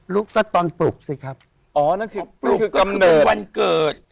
รู้ก็ตอนปลูกสิครับอ๋อนั่นคือปลูกคือยนต์วันเกิด